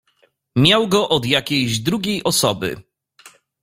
"Miał go od jakiejś drugiej osoby."